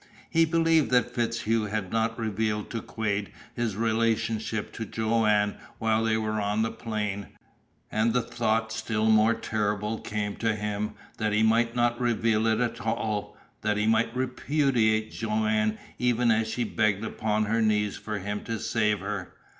He believed that FitzHugh had not revealed to Quade his relationship to Joanne while they were on the plain, and the thought still more terrible came to him that he might not reveal it at all, that he might repudiate Joanne even as she begged upon her knees for him to save her.